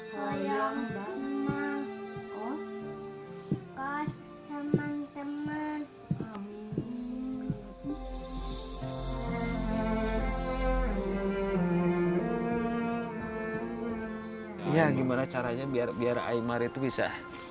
bagaimana caranya biar aymari bisa